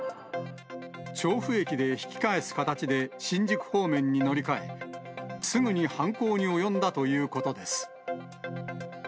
調布駅で引き返す形で新宿方面に乗り換え、すぐに犯行に及んだということです。